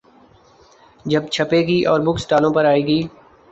جب چھپے گی اور بک سٹالوں پہ آئے گی۔